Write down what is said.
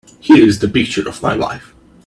Here's the picture of my wife.